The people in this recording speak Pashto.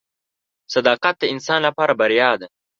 • صداقت د انسان لپاره بریا ده.